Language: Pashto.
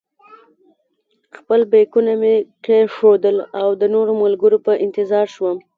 خپل بېکونه مې کېښودل او د نورو ملګرو په انتظار شوم.